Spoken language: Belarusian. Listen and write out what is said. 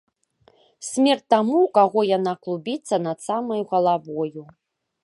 Смерць таму, у каго яна клубіцца над самаю галавою.